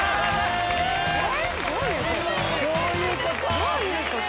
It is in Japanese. どういうこと⁉